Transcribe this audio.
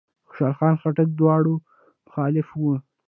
خوشحال خان خټک د دواړو مخالف و.